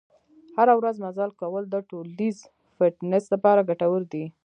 هره ورځ مزل کول د ټولیز فټنس لپاره ګټور دي.